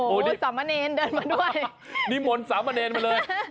โอ้โหสามะเนนเดินมาด้วยนี่มนต์สามะเนนมาเลย